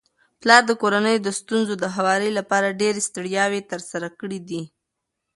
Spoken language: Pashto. پلار د کورنيو د ستونزو د هواري لپاره ډيري ستړياوي تر سره کړي دي